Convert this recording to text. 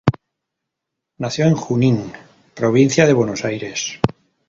Nació en Junín, provincia de Buenos Aires.